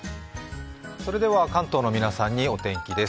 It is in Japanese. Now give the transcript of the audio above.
関東の皆さんにお天気です。